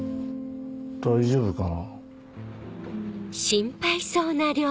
大丈夫かな？